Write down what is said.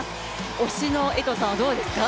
推しの江藤さんはどうですか？